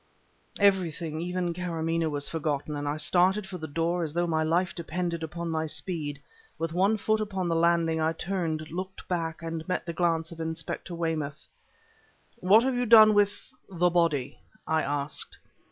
Everything, even Karamaneh was forgotten, and I started for the door as though my life depended upon my speed. With one foot upon the landing, I turned, looked back, and met the glance of Inspector Weymouth. "What have you done with the body?" I asked.